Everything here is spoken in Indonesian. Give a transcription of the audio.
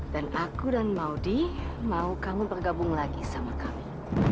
dan aku dan maudie mau kamu bergabung lagi sama kami